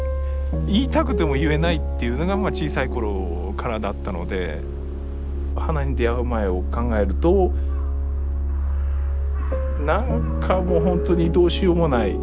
言いたくても言えないっていうのが小さい頃からだったので花に出会う前を考えると何かもうほんとにどうしようもない。